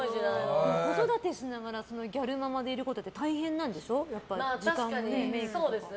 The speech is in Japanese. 子育てしながらギャルママでいることってそうですね。